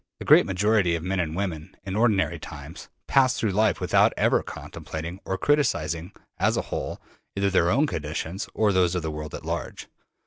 The great majority of men and women, in ordinary times, pass through life without ever contemplating or criticising, as a whole, either their own conditions or those of the world at large.